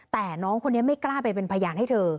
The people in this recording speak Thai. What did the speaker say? แต่น้องคนนี้ไม่กล้าไปเป็นพยานให้เธอ